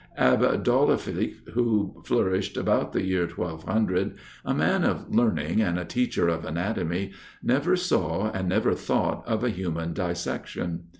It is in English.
Abdollaliph, who flourished about the year 1200, a man of learning and a teacher of anatomy, never saw and never thought of a human dissection.